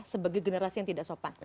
sebagai generasi yang tidak sopan